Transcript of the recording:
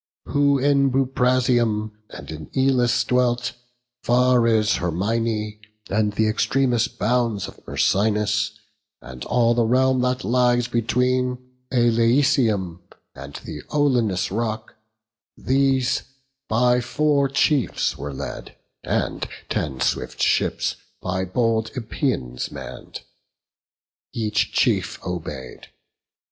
Who in Buprasium and in Elis dwelt, Far as Hyrmine, and th' extremest bounds Of Myrsinus; and all the realm that lies Between Aleisium and the Olenian rock; These by four chiefs were led; and ten swift ships, By bold Epeians mann'd, each chief obey'd.